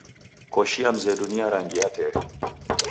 Koshi ya mzedu ni ya rangi ya teri.